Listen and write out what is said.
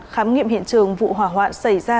khám nghiệm hiện trường vụ hỏa hoạn xảy ra